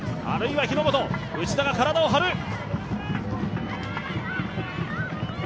あるいは日ノ本、内田が体を張る。